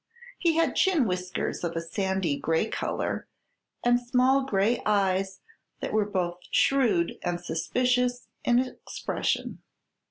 He had chin whiskers of a sandy gray color and small gray eyes that were both shrewd and suspicious in expression.